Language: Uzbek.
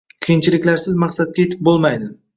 Qiyinchiliklarsiz maqsadga etib bo`lmaydi